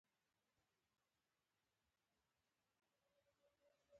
توری د غم سترګی دي، تور دی د بلا رنګ